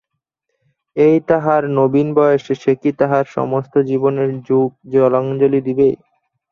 এই তাহার নবীন বয়সে সেকি তাহার সমস্ত জীবনের সুখ জলাঞ্জলি দিবে?